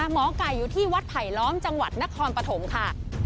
หมอไก่อยู่ที่วัดไผลล้อมจังหวัดนครปฐมค่ะ